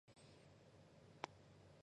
状元张去华第十子。